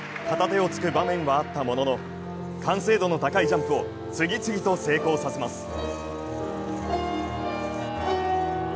片手をつく場面はあったものの完成度の高いジャンプを次々と成功させます。